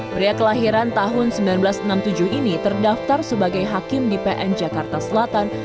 pria kelahiran tahun seribu sembilan ratus enam puluh tujuh ini terdaftar sebagai hakim di pn jakarta selatan